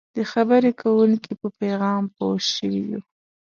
د خبرې کوونکي په پیغام پوه شوي یو.